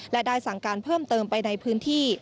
และได้สั่งการเพิ่มเติมไปในพื้นที่